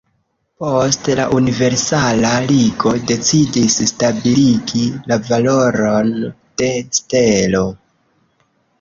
Poste la Universala Ligo decidis stabiligi la valoron de stelo.